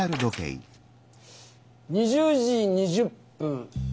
２０時２０分。